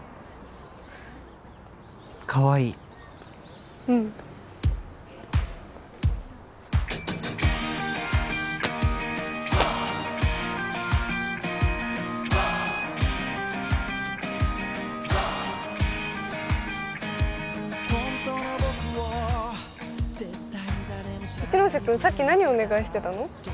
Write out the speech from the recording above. かわいいうん一ノ瀬君さっき何お願いしてたの？